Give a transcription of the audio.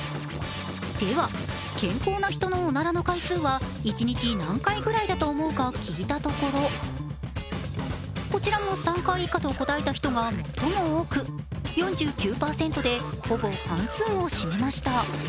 では、健康な人のおならの回数は一日何回くらいだと思うか聞いたところ、こちらも３回以下と答えた人が最も多く４９％でほぼ半数を占めました。